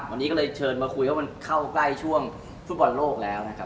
วันนี้ก็เลยเชิญมาคุยว่ามันเข้าใกล้ช่วงฟุตบอลโลกแล้วนะครับ